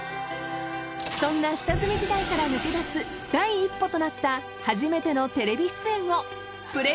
［そんな下積み時代から抜け出す第一歩となった初めてのテレビ出演を］